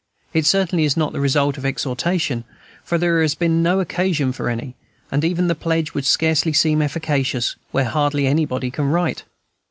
It certainly is not the result of exhortation, for there has been no occasion for any, and even the pledge would scarcely seem efficacious where hardly anybody can write.